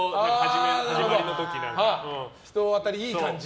人当たりいい感じ。